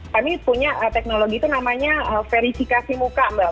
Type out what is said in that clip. kami punya teknologi itu namanya verifikasi muka mbak